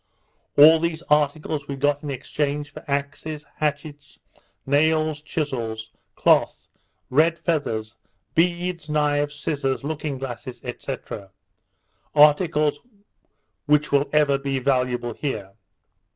All these articles we got in exchange for axes, hatchets, nails, chissels, cloth, red feathers, beads, knives, scissars, looking glasses, &c. articles which will ever be valuable here.